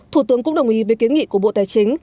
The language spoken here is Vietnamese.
thủ tướng cũng đồng ý với kiến nghị của bộ tài chính